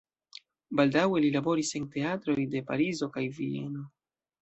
Baldaŭe li laboris en teatroj de Parizo kaj Vieno.